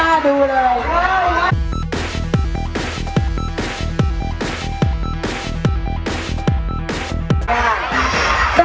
หลอด